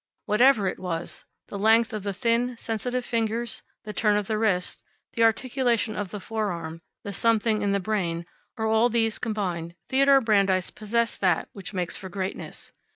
Whatever it was the length of the thin, sensitive fingers, the turn of the wrist, the articulation of the forearm, the something in the brain, or all these combined Theodore Brandeis possessed that which makes for greatness.